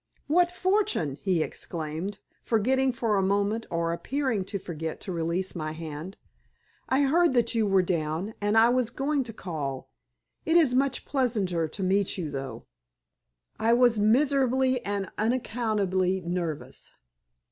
"What fortune!" he exclaimed, forgetting for the moment, or appearing to forget, to release my hand. "I heard that you were down, and I was going to call. It is much pleasanter to meet you though!" I was miserably and unaccountably nervous.